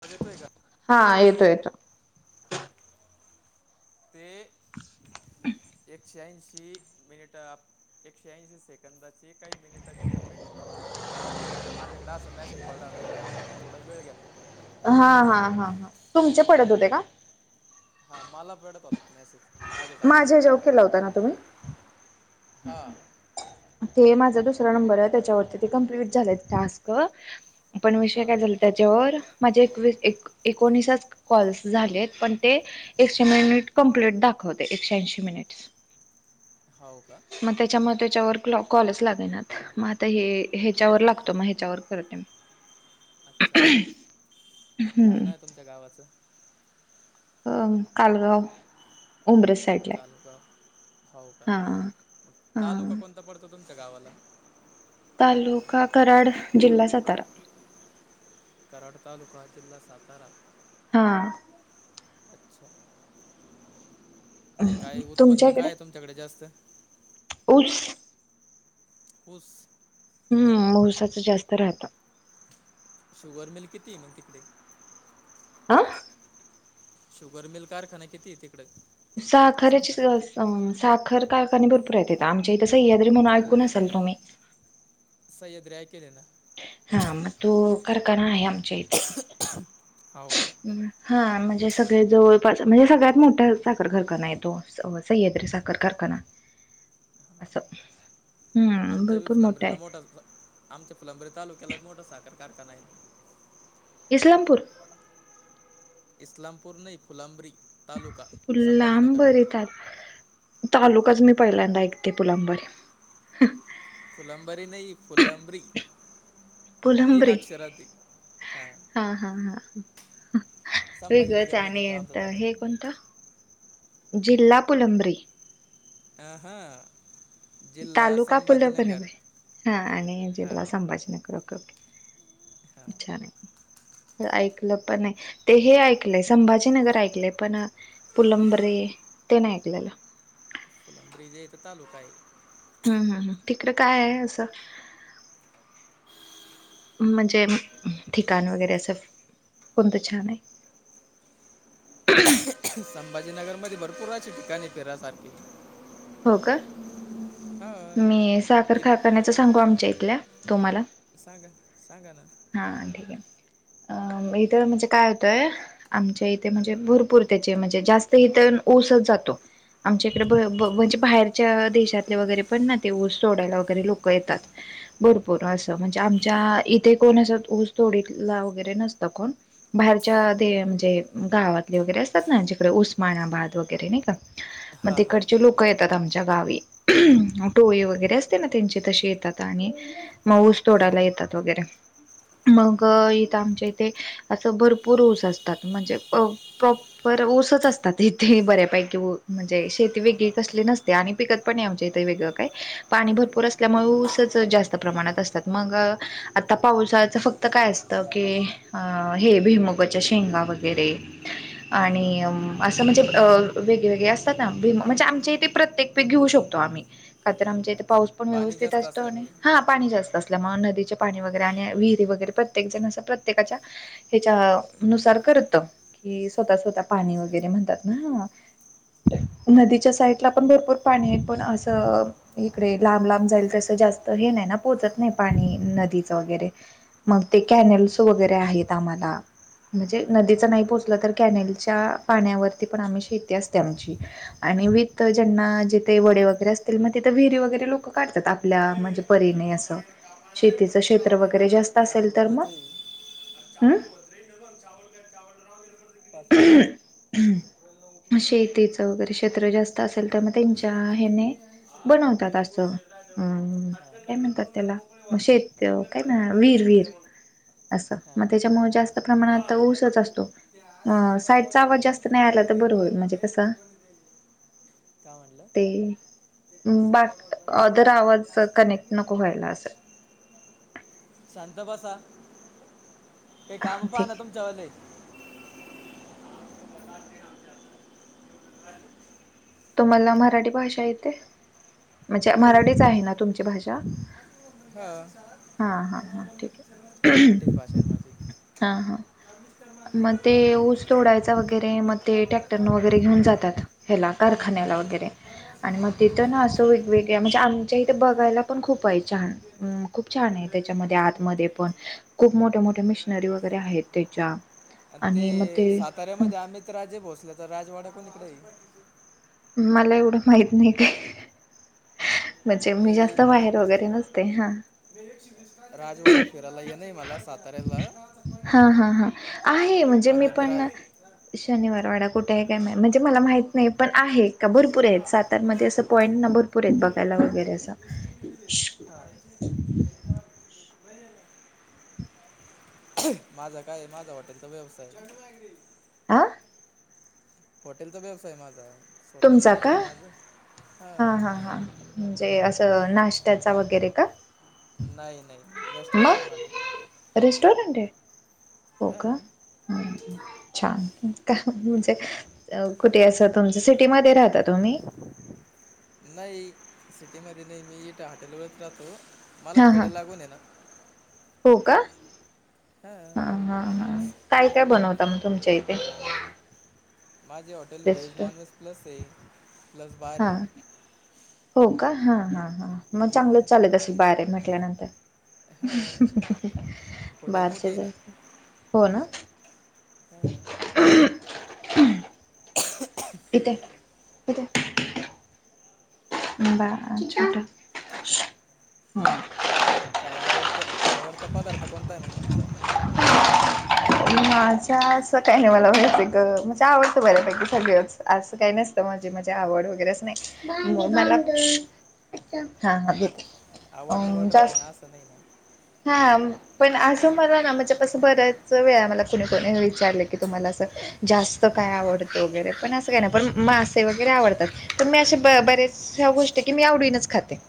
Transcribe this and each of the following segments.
आवाज येतोय का? हा येतो येतो. ते एकशेऐंशी मिनिट एकशेऐंशी सेकंदाची काही मिनिटची लिमिट ओलाडली आहे. माझ्याकडें असं मेसेज पडला होता. त्यामुळे मी थोडा वेळ घेतला. हा हा हा हा तुमचे पडत होते का? हा मला पडत होत मेसेज. माझ्याच माझ्या अकाउंटला. हेच्यावर केला होता ना तुम्ही? हा ते माझा दुसरा नंबर आहे त्याच्यावरती ते कंप्लीट झालय टास्क. पण विषय हां काय झाल त्याच्यावर माझे एकवीस एक एकोणीसाच कॉल्स झालेत. पण ते एकशे मिनिट कंप्लीट दाखवतय. एकशे ऐंशी मिनिट. हाव का. मग त्याच्या म त्याच्यावर कॉ कॉलच लागेनात. मग आता हे ह्याच्यावर लागतो. मग ह्याच्यावर करते. मी. ह, [inaudible] काय नाव आहे हम्म तुमच्या गावाच. अ कालगाव उंब्रज साईट. तालुका फावटा. तालुका हा कोणता पडतो तुमच्या गावाला. तालुका कराड. जिल्हा सातारा. कराड तालुका जिल्हा सातारा. हा अच्छा काय तुमच्या उत्पन्न काय हे तुमच्याकडे जास्त. उस पुुस. हम्म. उसाचं जास्त राहतं. शुगर मिल किती हे मग तिकडे? आ? शुगर मिल कारखाना किती हे तिकड? साखरेचीच अ म साखर कारखानी भरपूर हाईत. आमच्या इथं सह्याद्री म्हणून ऐकून असाल तुम्ही. सह्याद्री आयकेल हे ना. हा. म तो कारखाना आहे आमच्या इथे. हावो का? हा. म्हणजे सगळे जवळपास म्हणजे सगळ्यात मोठा साखर कारखाना आहे तो. स सह्याद्री साखर कारखाना असं. हम्म आमच्या भरपूर आहे. विफलंबरीला मोठा, आमच्या फुलंब्री तालुक्याला मोठा साखर कारखाना हाय. इस्लामपूर इस्लामपूर नई फुलंब्री. फुलांबरी ता तालुकाच मी पहिल्यांदा ऐकते फुलांबरी. फुलंबरी नाही फुलंब्री. फुलंब्री हां हा हा हा. वेगळंचय संभाजीनगरमध्ये आणि तो आमचा तालुका हे कोणत? जिल्हा पुलंब्री. अं हं. तालुका पुलं [unintelligible] आणि हां जिल्हा संभाजीनगर. Okay okay. हां छान. ऐकलं पण ये. ते हे ऐकलंय संभाजीनगर ऐकलंय पण अ पुलंबरी ते नाही ऐकलेल. ब्रिजे इथं तालुका हाय. हम्म हम्म हम्म. तिकडं काय आहे असं? म्हणजे ठिकाण वगैरे असं कोणतं छान हाय? हम्म [unintelligible] संभाजीनगरमध्ये भरपूर असे ठिकाण हाय फिरासाठी. हो का. मी साखर किल कारखान्याच सांगू आमच्या इथल्या तुम्हाला? सांगा सांगा ना. हा ठीक आहे. अ इथ म्हणजे काय होतंय? आमच्या इथे म्हणजे भरपूर त्याचे म्हणजे जास्त इथ ऊसच जातो. आमच्या इकडे ब ब अच्छा म्हणजे बाहेरच्या देशातले वगैरे पण ना ते ऊस तोडायला वगैरे लोक येतात. भरपूर हो असं का म्हणजे आमच्या इथे कोण असं ऊस तोडीला वगैरे नसतं कोण. बाहेरच्या दे म्हणजे गावातले वगैरे असतात ना जिकडे उस्मानाबाद वगैरे नाही का. मग हां तिकडं हां लोक येतात आमच्या गावी. टोळी वगैरे हो का असते ना त्यांचे तसे येतात आणि मग ऊस हां तोडायला येतात वगैरे मग इथं आमच्या इथे असं भरपूर ऊस असतात. म्हणजे अ प्रॉपर ऊसच असतात इथे बऱ्यापैकी म्हणजे शेती हो वेगळी ना कसली नस ते आणि पिकत पण नाही आमच्या इथे वेगळं काय. पाणी भरपूर असल्यामुळे ऊसच जास्त प्रमाणात असतात मग आता पावसाळचं फक्त काय असतं की अ हे भुईमुगाच्या शेंगा वगैरे. [unintelligible] हां आणि हां असं म्हणजे अ वेगळेवेेगळे असतात ना? भिम म्हणजे आमच्या इथे प्रत्येक पीक घेऊ शकतो आम्ही का तर आमच्या इथ अच्छा पाऊस पण पाणी व्यवस्थित जास्त असतो आणि असल्यामुळे हा पाणी जास्त असल्यामुळे नदीचे पाणी वगैरे आणि विहिरी वगैरे प्रत्येक जण अस प्रत्येकाच्या हेच्या नुसार करत की स्वतः स्वतः पाणी अच्छा वगैरे म्हणतात ना हा नदीच्या साईटला पण भरपूर पाणी हाय पण असं इकडे लांब लांब जाईल तसं जास्त हे नाय ना पोहोचत नाय पाणी नदीच वगैरे मग ते हां कॅनेल्स वगैरे आहेत आम्हाला म्हणजे नदीच हां नाही हां पोचला तर कॅनेलच्या पाण्यावरती पण आम्ही शेती असते आमची आणि विथ ज्यांना जिथे वडे वगैरे असतील म तिथे विहिरी वगैरे लोकं काढतात आपल्या म्हणजे परीने असं [inaudible] शेतीचं क्षेत्र वगैरे जास्त असेल चावल तर मग बनवाचीये. हम्म पाच मिनिटं चित्र जास्त असल. प्रोसेस राहत तुम्ही हा बनवतात ही असं प्रोर्सेस राहते म्हणे अं काय पटकनंलग्न म्हणतात करून घ्या त्याला मोकळे वा मग शेत लग्न काय करा म्हणा म्हणल्यानं नाही विहीर म्हणत्या विहीर मंग असं म त्याच्यामुळे जास्त प्रमाणात ऊसच असतो. ते अ अशी साईडचा आवाज बनवाबनवी जास्त मध्ये नाय आला तर लीलाबाई बर होईल म्हणजे कसा काय म्हणला? बाट ओदर आवाज च सरांनी कनेक्ट नको म्हणत व्हायला अस का शांत बसा काय काम पाहा ठीक ना आहे. तुमच्या वाले तुम्हाला मराठी भाषा येते? म्हणजे हो मराठीच आहे ना तुमची भाषा हा हा हा हा ठीक ये. मराठीच भाषां हाय नं माझी हा हा मिस्टर मग ते माझ्या ऊस तोडायचा वगैरे मग ते लग्नामध्ये ट्रॅक्टर ने मावळ तुला वगैरें तिथे घेऊन जातात ह्याला कारखान्याला हम्म. वगैरे आणि म तिथं ना असं वेगवेगळ्या म्हणजे आमच्या इथे बघायला पण खूप हाये छान अम्म खूप छान आहे आणि त्याच्यामध्ये आतमध्ये होते. पण खूप मोठ्या तिथे मोठ्या मिशनरी तुम्ही वीस वगैरे आहेत त्याच्या आणि ते साताऱ्यामध्ये अमित राजे भोसले चा राजवाडा कोणीकडे ये? मला एवढं माहत नाही काय म्हणजे मी नाही जास्त मला बाहेर वीस ची वगैरे नोट नसते हा होती एकशे वीस राजवाडा फिरायला यनं हाय मला साताऱ्याला हा हा हा आहे म्हणजे मी अमित रा पण शनिवार वाडा कुठ आहे काय मा म्हणजे मला माहीत नाही पण आहे. का भरपूर येत सातारमध्ये असं पॉईंट ना भरपूर आहेत बघायला वगैरे असं हा [unintelligible] नय आला माझा काय माझा हॉटेलचा व्यवसाय ये. हा हॉटेलचा व्यवसाय ये माझा स्वतःचं तुमचा का हॉटेल आहे माझं हा हा हां हा म्हणजे असं नाश्त्याचा वगैरे का? नाही नाही रेस्टोरेंट ये माझ मग रेस्टॉरंट ये हो का. हां छान का म्हणजे अ कुठे असं तुमच सिटीमध्ये राह ता तुम्ही नाही सिटीमध्ये नाही मी इट हॉटेलवरच राहतो. मला हा हा खेडा लागून ये ना हो का हा हा हा बस काय काय बनवता म तुमच्या इथे माझे hotel veg rest non veg plus ये प्लस बार हा ये. हो का हा हा ह म हां चांगलंच चालत असेल बार ये म्हटल्यानंतर हां हॉटेल बारश्याच मोठी आहे जा हो ना. हम. इथ ये. [unintelligible] काय आवडतं आवडता पदार्थ कोणता आहे मग तुमचा? माझ्या असं काही नाही मला आवडतं म्हणजे आवडतं बऱ्यापैकी सगळंच असं काही नाही. म्हजे म्हजे आवड वगैरेच नाही मला नाही हा आवड घेते निवड राहते जास्त ना असं नाही नाही. हा. पण आस मला ना मला माझ्या बऱ्याच वेळा मला कोणी कोणी विचारले की तुम्हाला असं जास्त काय आवडतं वगैरे पण असं काय ना, पण मासे वगैरे आवडतात पण मी असे बरेच ह्या गोष्ट की मी आवडीनच खाते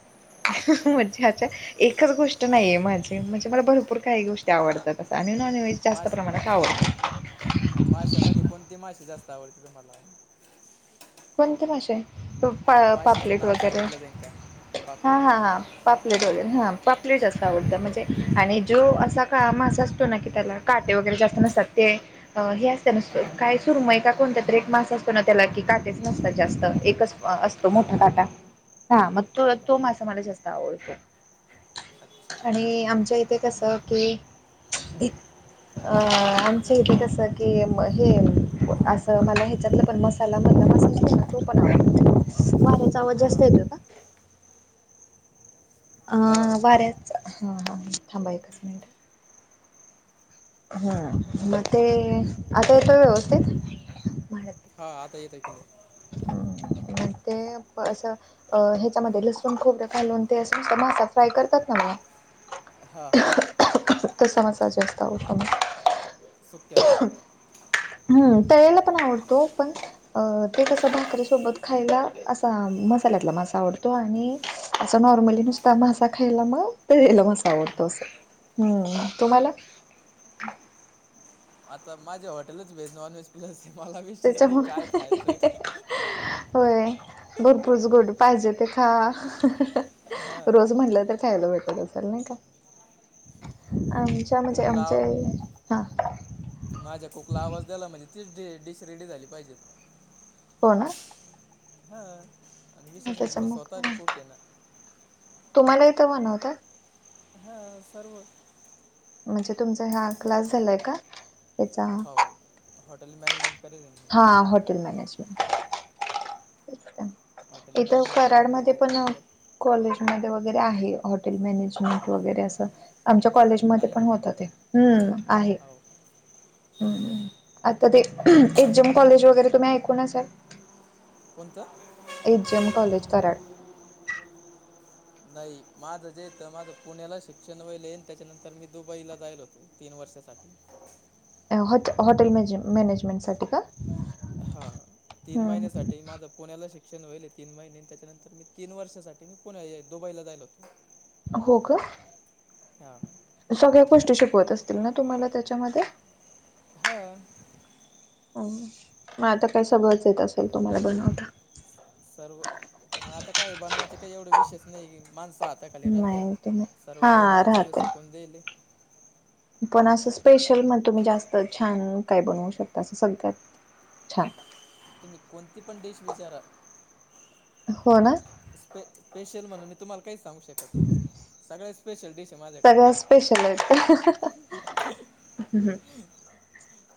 म्हणजे अच्छा एकच गोष्ट नाहीये म्हण म्हणजे मला भरपूर काही गोष्टी आवडतात असं आणि नॉनव्हेज जास्त माश प्रमाणात आवडतं माशामध्ये कोणती मासे जास्त आवडतात तुम्हाला कोणते मासे माशीचं पापलेट नाव वगैरे सांगितलं जाईल का हा पापलेट हा का हा पापलेट झालेल हां पापलेट जास्त आवडतं म्हणजे आणि जो असा काळा असं असतो ना की त्याला काटे वगैरे जास्त नसतात ते हे अस हां काय सुरूमय का कोणत तरी एक मास असतो ना त्याला कि काटेच नसतात जास्त एकच अस तो हां मोठा हां काटा हा मग तो, आहे ना तो आहे ना. मासा मला जास्त आवडतो. अच्छा आणि आमच्या इथे कसं कि अ आमच्या इथे कस की हे असं मला ह्याच्यातलं पण मसाला मधला तो पण वाऱ्याचा आवाज जास्त हां येतो का? अ हां वाऱ्याच हा हा थांबा एकच मिनट ह म आता येतोय व्यवस्थितेत हा आता येत आहे ऐकायला. तें अ ह्याच्यामध्ये लसूण खोबरं घालून ते असं असून मासा फ्राय करतात ना मला हा हां. तसा मसाला जास्त आवडतो मला सुक्यामध्ये हम तळलेला पण आवडतो. पण ते कसं भाकरीसोबत खायला असा मसाल्यातला हां मासा आवडतो आणि असं नॉर्मली नुसता मासा खायला मग तळलेला मासा आवडतो. हम्म तुम्हाला? आता माझ्या हॉटेलच व्हेज, नॉन व्हेज प्लस मला विशच नाही त्याच्यामुळे काय खायचं. होय भरपूरच गोड पाहिजे ते खा. हां रोज म्हटलं तर खायला भेटल असल नाही का? आमच्या त्या म्हणजे कुकला आमच्या म्हणजे माझ्या कूक ला आवाज द्याला म्हणजे तीच डिश रेडी झाली पाहिजे. हो ना. हा आणि विशेष म्हणजे मी त्याच्यामुळे स्वतः बी काय कूक आहे ना. तुम्हाला येत बनवता? हा सर्व म्हणजे तुमचा ह्या क्लास झालाय का? याचा हो हॉटेल मॅनेजमेंट केलंय ना. हां हॉटेल मॅनेजमेंट. तेच का हॉटेल मॅनेजमेंट केलं मी त्याच्यानंतर कॉलेजमध्ये वगैरे आहे, हॉटेल मॅनेजमेंट वगैरे असं आमच्या कॉलेज मध्ये आहे पण होत ना ते, आहे. हो आता ते एजम कॉलेज वगैरे तुम्ही ऐकूून असल. कोणत. H M college Karad. ह [inaudible] नाही माझं जेेत माझं पुण्याला शिक्षण वईलन त्याच्यानंतर मी दुबईला जायल होतो. तीन वर्षासाठी. अं हॉटे हॉटेल मेजे मॅनेजमेंट साठी का. हा हा तीन महिन्यासाठी माझं. पुण्याला शिक्षण होईल तीन महिने त्याच्यानंतर मी तीन वर्षासाठी मी पुण्या दुबईला जायल होतो. हो का. हा. सगळ्या गोष्टी शिकवत असतील ना तुम्हाला त्याच्यामध्ये. हं अ. ह मग आता काय सगळंच येत असेल तुम्हाला बनवता. सर्व तर मग आता काय बनवायचे काही एवढे विशेष नाही की माणसं आता. खाली राहात्या नाही ते नाही सर्व काही हा माणसाला राहतय शिकवून देईल. पण असं स्पेशल मग तुम्ही जास्त छान काय बनवू शकता असं सगळ्यात छान. तुम्ही कोणती पण डिश विचारा. हो ना. स्पे स्पेशल म्हणून मी तुम्हाला काही सांगू शकत नाही सगळ्या स्पेशल डिश आहे माझ्याकडे. सगळ्या स्पेशल ह हं हं.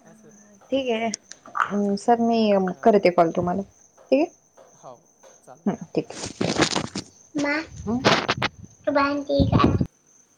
हा तर. ठीक आहे ना, हं सर मी करते आहे कॉल तुम्हाला, ठीके हाव चाल. ठीक हाय.